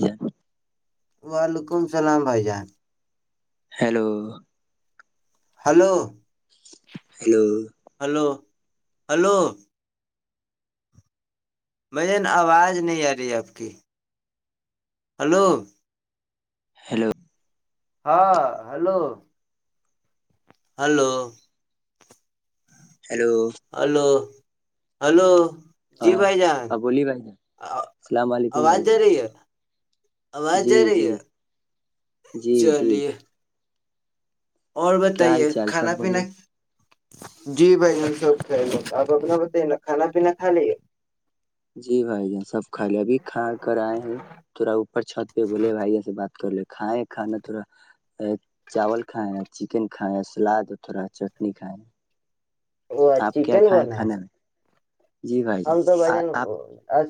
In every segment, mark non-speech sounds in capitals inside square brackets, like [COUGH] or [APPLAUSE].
ج ہے وعلیکم السلام بھائی جان hello hello hello hello hello بھائین آواز نہیں آ رہی آپ کی ہلو ہیلو ہاں hello hello hello hello hello جی ہاں بھائی جان ہاں بولیے بھائی جان السلام علیکم آواز بھائی ج جان رہی ہے آواز جی جا رہی جی ہے جی جی چلیے اور کیا بتائیے حال چال سب کھانا پینا بڑھیا جی بھائی ہم سب خ آپ اپنا بتائیے نا کھانا پینا کھا لیے جی بھائی ج سب کھا لے ابھی کھا کر آئے ہیں تھوڑا اوپر چھت پہ بولے بھائی یہ سے بات کر لے کھائےیں کھانا تھڑا چاول کھائےیں چکن کھائے سلاد تھوڑا چٹنی کھائے اور آپ کیا چکن کھائیں بنا کھانے میں جی بھائی ہم جان تو بائی آ- جان آپ آج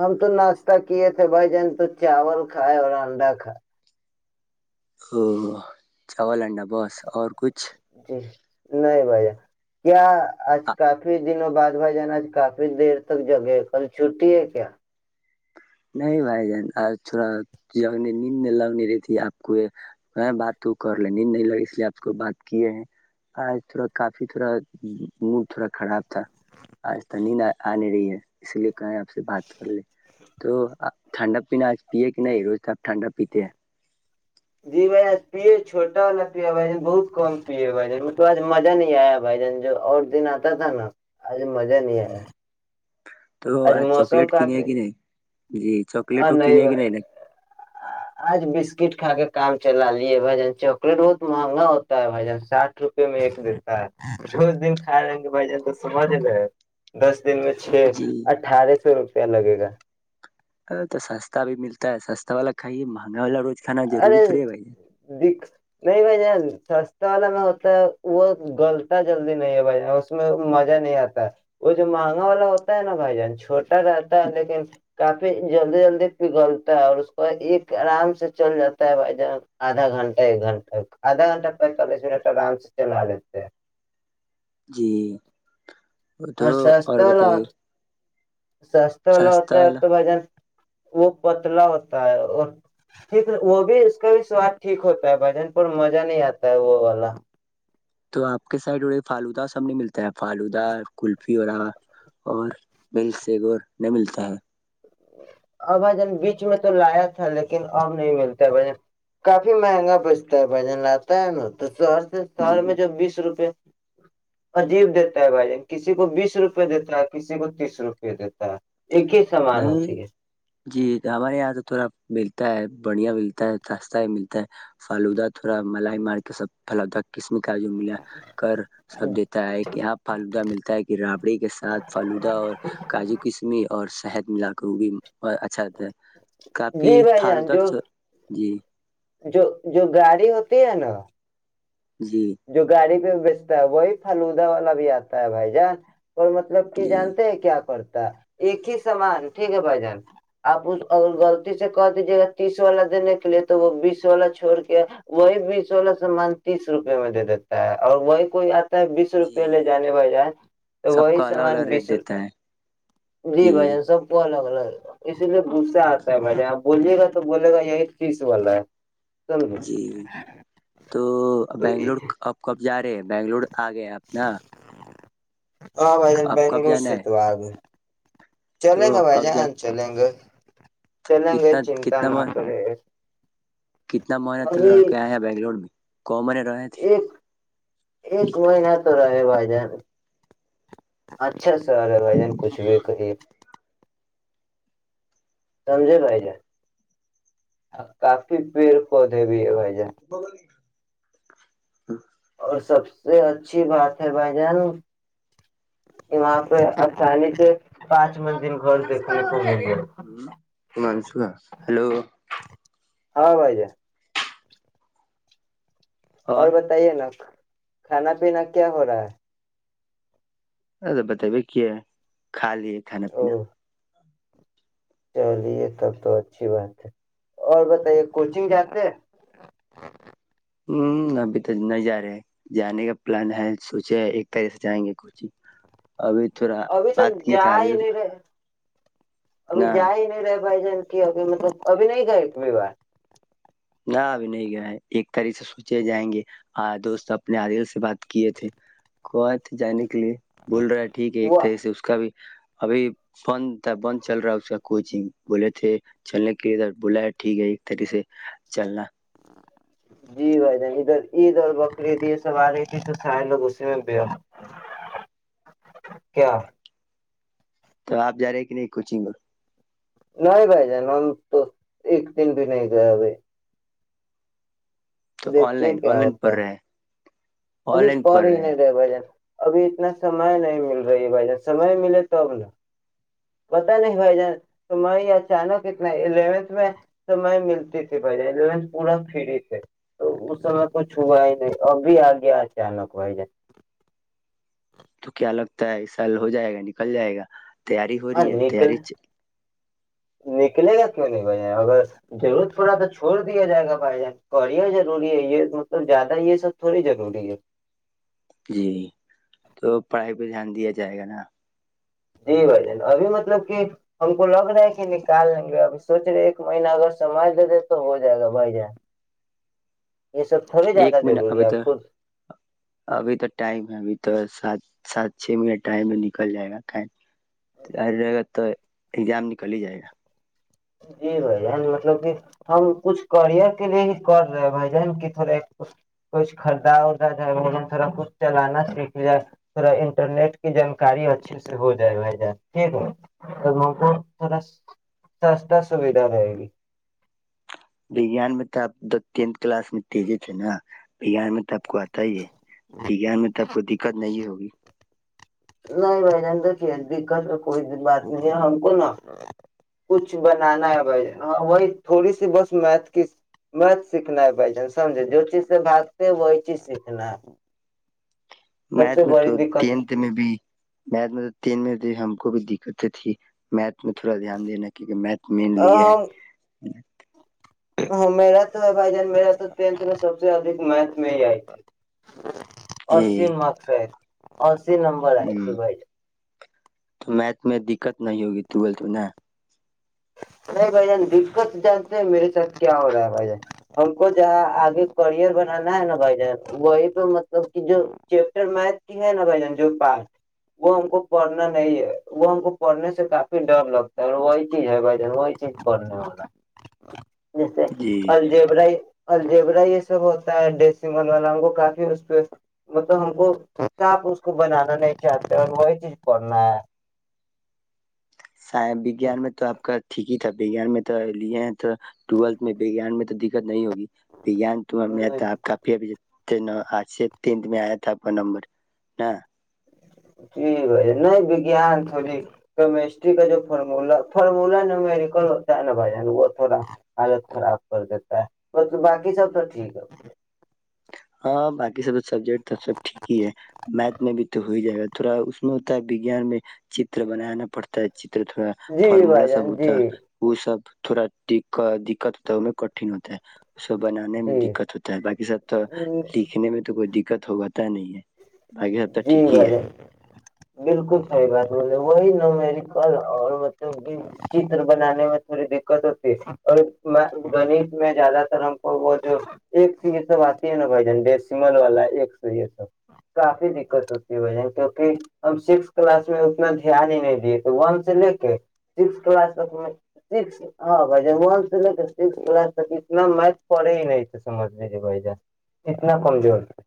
ہم تو ناشتہ کیے تھے بھائی جان تو چاول کھائے اور انڈا کھائے او چاول انڈا بس اور کچھ جی نہیں بھائی کیا آج کافی دنوں بعد بھائی جان آج کافی دیر تک جگے کل چھٹی ہے کیا نہیں بھائی جان آج تھوڑا جنے نیند لگ نہیں رہی تھی آپ کو یہ کہیں بات تو کر لے نیند نہیں لگی اس لیے آپ کو بات کیے ہیں آج تھوڑا کافی تھوڑا موڈ تھوڑا خراب تھا آج تو نیند آنے رہی ہے اس لیے کہیں آپ سے بات کر لے تو ٹھنڈا پینا آج پیے کہ نہیں روز آپ ٹھنڈا پیتے ہیں جی بھائی پیے چھوٹا والا پیا بھائی ج بہت کم پیے بھائی ج اس بس مزہ نہیں آیا بھائی جان جو اور دن آتا تھا نا آج مزہ نہیں آ جی تو آ چکلیٹ کنے کی نہیں جی چاکلیٹ وہ ارے نہیں کینے بھئی، کہ نا آج بس بسکٹ کھا کے کام چلایا۔ چلا لیے بھائی جان چاکلیٹ بہت مہنگا ہوتا ہے بھائی جان ساھ روپے میں ایک دیتا ہے روز دن کھا رہیں گے بھائی جان تو سمجھ رہ دس دن میں چھ جی اٹھارہ سو روپ لگے گا ا تو سستا بھی ملتا ہے سستا والا کائیے مہنگا والا رو ارے د نہیں بائی سستا والا میں ہوتا وہ گلتا جلدی نہیں ہے بھائی جان اس میں مزہ نہیں آتا ہے وہ جو مہنگا والا ہوتا ہے نا بھائی جان چھوٹا اا تھا لے د کافی جلدی جلدی پگھلتا ہے اور اس کو ایک آرام سے چل جاتا ہے بھائی جان آدھا گھنٹہ ایک گھنٹہ آدھا گھنٹہ پینتالیس منٹ آرام سے چلا لیتے ہیں جی تو اور سس والا بتائیے سستا والا ہوتا ہے تو بجن وہ پتلا ہوتا ہے اور ٹھیک وہ بھی اس کا بھی سواد ٹھیک ہوتا ہے بھ جان پر مزہ نہیں آتا ہے وہ والا تو آ کے سائڈے فالوودا سب نہیں ملتا فالودا کل فی رہا اور مل سے گور نہیں ملتا ہے ا بجن بیچ میں تو لایا تھا لیکن اب نہیں ملتا بھن کافی مہنگا بچتا ہے بھجن لاتا ہے ن تو شہر سے جی شہر میں جب بیس روپے عجیب دیتا ہے بھائی جان کسی کو بیس روپئے دیتا ہے کسی کو تیس روپئے دیتا ہے ایک ہی سمان ہوتی نہیں ہے جی ہمارے یہاں تو تھوڑا بالل بڑھیا ملتا ہے سستا ہی ملتا ہے فلودا تھوڑا ملائی مار کے سب پلودہ قسم کاجو ملا کر سب دیتا ہے کہ یہاں فالودا ملتا ہے کہ رابڑی کے ساتھ فالوودا اور کاجو کسمی اور [UNINTELLIGIBLE] جی بھائی جان جو [UNINTELLIGIBLE] جو جو گاڑی ہوتی ہے نا جی جو گاڑی پہ بیچتا ہے وہی پھالودا والا بھی آتا ہے بھائی جان اور مطلب کہ جی جانتے ہیں کیا پر ایک ہی سامان ٹھیک ہے بھائی جان آپ اس غلط سے کہ دیجیے گا تیس والا دینے کے لیے تو وہ بیس والا چھوڑ کے وہی بیس والا سامان تیس روپ میں دے دیتا ہے اور وہی کوئی بیس جی روپئے لے جانے بھا ئی جان تو سب وہی کا الگ سامان الگ ریٹ بیس روپ دیتا ہے جی بھائی جان سب کو الگ اسی لیے گپ سے آتا ہے میں نے آپ بولیے گا تو بولے گا یہی چیز والا ہے سمجھے جی تو بنگلور تو اب کب جار ہے ہے بنگلور آ گئے آپ نا ہاں بھائی جان آپ کب بنگلور جانا سے ہے تو آگ چلیں تو گے بھائی کب جا جان چلیں گے چلیں گے کتنا چنتا کتنا نہ ماہ- کریں کتنا مہینہ تک رہ کے آئے ہیں بنگلور میں کو مہینے رہے تھے ایک ایک مہینہ تو رہ بھائی جان [UNINTELLIGIBLE] سمجے بھائی جان کافی پیڑ پودے بھی ہے بھائی جان [UNINTELLIGIBLE] ہاں اور سب سے اچھی بات ہے بھائی جان وہاں پہ آسانی پانچ وے دن گھر دیکھنے کو مل جائے منسوخ ہلو ہاں بھائی جائے [INAUDIBLE] اور بتائیے نا کھانا پینا کیا ہو رہا ہے اد بت وک کھا لیے کھانا او پینا چلیے تب تو اچھی بات ہے اور بتائیے کوچنگ جتے ہیں ہ ابھی تو نہیں جا رہے جانے کا پلان ہے سوچے ایک تاریخ سے جائیں گے کچنگ ابھی توک جا ہی نہیں رہے ابھی اپنا جائے نہیں رہے بھائی جان کی ابھی مطلب ابھی نہیں گئی ا بیوار نہ ابھی نہیں گیا ہے ایک طریح سے سوچے جائیں گے ہ دوست اپنے عادل سے بات کیے تھے کو تھے جانے کے لیے بول رہا ہے ٹھیک ہے ایک وہ تھا اسے اس کا بھی ابھی بند تھا بند چل رہا اس کا کوچنگ بولے تھے چلنے کےے بولا ہے ٹھیک ہے ایک طرح سے چلنا [UNINTELLIGIBLE] جی بھائی جان ادھر عید اور بقرعید یہ سب آ رہی تھی تو سارے لوگ اسی میں پیا کیا تو آپ جا رہے کہ نہیں کوچنگ اور نہیں بائی جان تو ایک تین د نہیں ہی کیا تو آن دیکھیے لائن آن کیا لائن ہوتا پڑھ ہے؟ رہے ہیں آن ابھی لائن پر پڑھ ہی ہیں نہیں رہے بھائی ابھی اتنا سمے نہیں مل رہی ہے بھائی جان سمے ملے تب نا پتا نہیں بھائی جان سم اچانک اتنا الیونھ میں سم ملتی تھی بھائی جان الیونتھ پورا فری تھے تو اس سمے کو چھا ہی نہیں ابھی آگیا اچانک بھائی جان تو کیا لگتا ہے اس سال ہو جائے گا نکل جائے گا تیاری ہو رہی اور ہے تیاری نکل چ نکلے گا کیوں نہیں بھائی اگر ضرور پوڑا تو چھوڑ دیا جائے گا بھائی جان اوریا ضروری ہے یہ مطلب زیادہ یہ سب تھوڑی ضروری ہے جی تو پڑھائی پہ دھیان دیا جائے گا نا جی بھ جان ابھی مطلب کہ ہم کو لگ رہا ہے کہ نکال لیں گے ابھی سوچ رہے ایک مہینہ اگر سمج دے دے تو ہو جائے گا بھائی جان یہ سب تھوڑی ایک زیادہ منٹ ضروری ابھی ہے تو خود ابھی تو ٹائم ہے ابھی تو سات سات چھ منٹ ٹائم میں نکل جائے گا رہا تو ایگزام نکل ہی جائے گا جی بائی جن مطلب کہ ہم کچھ کرئر کے لیے ہی کر رہے بھ ج کی تھوڑا کچھ خریدا وردا جائے بھ ج تھوڑا کچھ چلانا سیکھ جائے تھوڑا انٹرنیٹ کی جانکاری اچھے سے ہو جائے بھ جان ٹھیک ہے ہم کو تھوڑا سستا سویدھا رہے گی وجان میں تو اب تو ٹینتھ کلاس میں تیز تھ ناان میں تو آ کو آتا ہی ہے گان میں تو آپ کو دقت نہیں ہوگ [UNINTELLIGIBLE] نہیں بھ جان دیکھیے دقت کوئی بات نہیں ہے ہم کو نا کچھ بنانا ہے بھ جان وہی تھوڑی سی بس میتھ کی میتھ سیکھنا ہے بھ جان سمجھے جو چیز سے بھگتے ہیں وہی چیز سیکھنا ہے سب میتھ سے میں تو بڑی دقت ہے ٹینت میں بھی میت میں تو تین م ہم کو بھی دقتیں تھی مھ اس میں تھوڑا دھیان دینا کیونکہ میتھ مین لی ہے ٹ [INAUDIBLE] ہاں میرا بھائی جان میرا تو ٹھ میں سب سے میتھ میں ہی آئی جی پچم اکثر اور نمبر ہے ج ہ بے تو میتھ میں دقت نہیں ہوگی تو بولتے نا نہیں بھائی جان دقت جانتے ہیں میرے ساتھ کیا ہو رہا ہے بھائی جان ہم کو جہاں آگے کرئر بنانا ہے نا بھائی جان وہی پہ مطلب کہ جو چیپٹر میھ کی ہے نا بھائی ج جو پار وہ ہم کو پڑھنا نہیں ہے وہ ہم کو پڑھنے سے کافی ڈر لگتا ہے اور وہی جی ہے بھ جان وہی چیز کرنے والا جی [UNINTELLIGIBLE] الجیبرا یہ سب ہوتا ہے ڈسین والا ہم کو کافی اس پہ مطلب ہم کو صپ اس کو بنانا نہیں چاہتے اور وہی چیز پنا ہے وجان میں تو آپ کا ٹھیک ہی اچھاان میں ت لیے ٹویلتھ میںان میں تو دقت نہیں ہوگیان تو ہے آپ کافی اب ت آج سے تین میں آیا تھا اپنا نمبر ن جی بھ ج نہیںگان تھوڑی کیمسٹری کا جو فارمولا فارمولا ن میریکل ہوتا ہے نا بھائی جان وہ تھوڑا حالت خراب کر دیتا ہے مطل باقی سب تو ٹھیک ہے ہاں باقی سب سبجیکٹ تو سب ٹھیک ہی ہے میتھ میں بھی تو ہو ہی جائے گا تھوڑا اس میں ہوتا ہے وگان میں چتر بنانا پڑتا ہے جی فرمولا بھائی سب جان جی تھا وہ سب تھوڑا دقت ہوتا ہے ان میں کٹھن ہوتا ہے اس کو بنانے میں جی دقت ہوتا ہے باقی سب تو لکھنے میں تو کوئی د دقت ہوگا جی بائیے بالکل صحی بات بے وہی نہیں میر کل اور مطلب چتر بنانے میں تھوڑی دقت ہوتی ہے اور گنیت میں زیادہ تر ہم کو وہ جو ایک س یہ سب آتی ہے نا بھائی جان ڈ سمل والا ایک س یہ سب کافی دقت ہوتی ہے بھ جان کیونکہ ہم سک کلاس میں اتنا دھیان ہی نہیں دیے تھے ون سے لے کے سک کلاس تک میں ہاں بھ جان ون سے لے کے سک کلاس تک اتنا میتھ پڑے ہی نہیں تھے سمجھ لیجیے بھائی جان اتنا کمزور تھا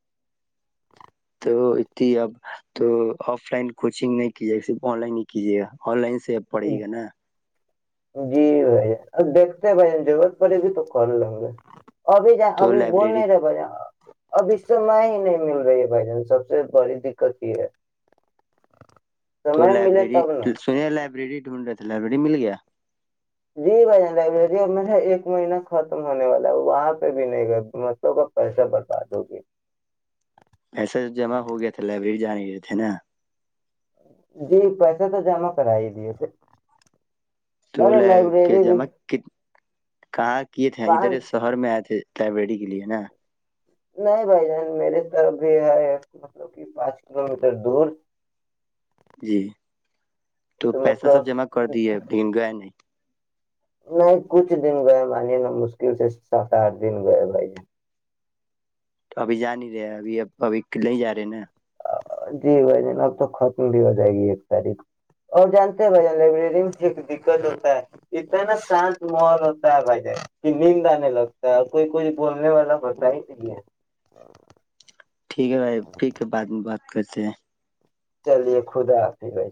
تو انی اب تو آف لائن کوچنگ نہیں کیجے گا صرف آن لائن نہیں کیجیے گا آن لائن سی پڑے گ نا جی بھائی اب دیکھتے ہیں بھائی ضرورت پڑے گی تو ک لوں گے ابھی ج تو ابھی بول لائبریری نہیں رہے ب ابھی سم ہی نہیں مل رہی ہے بھائی جن سب سے بڑی دقت یہ ہے تو سمے ملے لائبریری تب نا سن لائبریری ڈھونڈ رہ لائبریری مل گیا جی بھائی لبریری میر نے ایک مہینہ ختم ہونے والا ہے وہاں پہ بھی نہیں گیا بوں کا پیسہ برباد ہوگی جان گئے تھے نا جی پیسہ تو جمع کرا ہی دی اسے تو لے کے جمع ک کہاں کیے تھے ادھر پانچ شہر میں آئے تھے لائبریری کے لیے نا نہیں بھائی جان میرے طرف بھی ہے مطلب کہ پانچ کلو میٹر دور جی تو پیسہ سب جمع کر دے دن گئے نہیں نہیں کچھ دن گئے مانیے نا مشکل سے سات آٹھ دن گئے بھائی تو ابھی جا نہیں رہے ابھی اب ابھی نہیں جا رہے ہیں نا جی بھ جان اب تو ختم بھی ہو جائے گی ایک تاریخ اور جانتے ہیں بھ جن لائبریری میں دقت ہوتا ہے اتنا نا شانت ماحول ہوتا ہے بھائی جان کہ ند آنے لگتا ہے اور کوئی کوئی بولنے والا ہوتا ہی نہیں ہے ٹھیک ہے بھائی ٹھیک ہے بات میں بات [UNINTELLIGIBLE] چلیے خدا آپتی بھائی